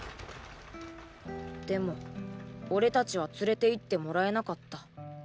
でも俺達は連れて行ってもらえなかった。